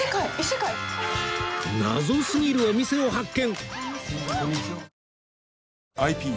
謎すぎるお店を発見